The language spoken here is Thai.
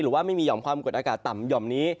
หรือว่าไม่มีห่อมความกดอากาศต่ำห่อมนี้